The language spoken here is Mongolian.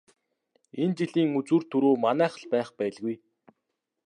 Энэ жилийн үзүүр түрүү манайх л байх байлгүй.